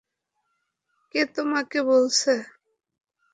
কে তোমাকে বলছে?